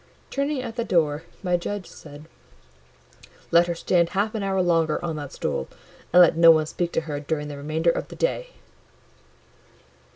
Turning at the door, my judge said— "Let her stand half an hour longer on that stool, and let no one speak to her during the remainder of the day."